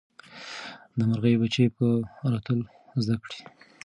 د مرغۍ بچي به الوتل زده کړي.